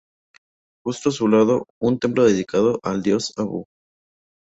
Justo a su lado, un templo dedicado al Dios Abu.